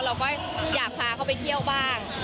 เราก็อยากพาเขาไปเที่ยวบ้าง